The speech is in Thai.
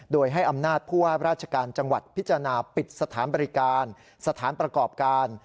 โดยให้อำนาจผู้ว่าราชการจังหวัดพิจารณาปิดสถานบริการสถานประกอบการ